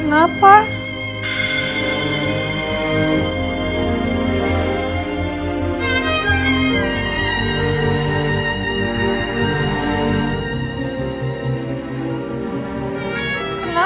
aku mau pulang aja ma